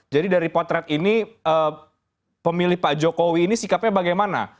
jadi dari potret ini pemilih pak jokowi ini sikapnya bagaimana